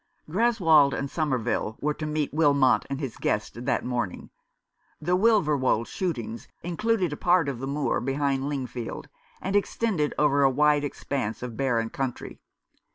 Greswold and Somerville were to meet Wilmot and his guest that morning. The Wilverwold shootings included a part of the moor behind Lingfield, and extended over a wide expanse of barren country.